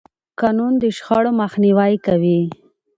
قانون د شخړو مخنیوی کوي.